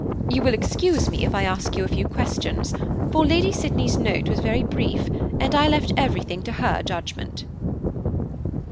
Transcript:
You will excuse me if I ask you a few questions, for Lady Sydney's note was very brief, and I left everything to her judgment."